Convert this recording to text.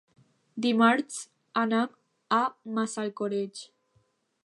Dimarts anam a Massalcoreig.